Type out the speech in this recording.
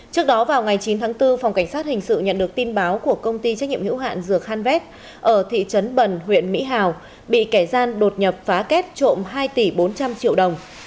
trước đó vào ngày chín tháng bốn phòng cảnh sát hình sự nhận được tin báo của công ty trách nhiệm hữu hạn dược khan vét ở thị trấn bần huyện mỹ hào bị kẻ gian đột nhập phá kết trộm hai tỷ bốn trăm linh triệu đồng